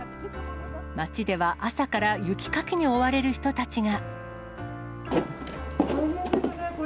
町では朝から雪かきに追われる人たちが。